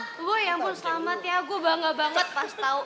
boy ya ampun selamat ya gue bangga banget pas tau